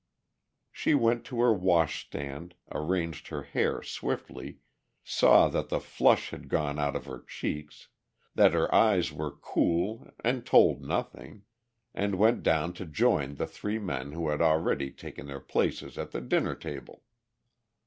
She went to her wash stand, arranged her hair swiftly, saw that the flush had gone out of her cheeks, that her eyes were cool and told nothing, and went down to join the three men who had already taken their places at the dinner table.